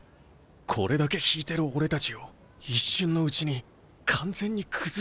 これだけ引いてる俺たちを一瞬のうちに完全に崩した。